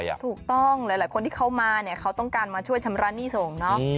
ถูกต้องหลายคนที่เขามาเนี่ยเขาต้องการมาช่วยชำระหนี้ส่งเนาะ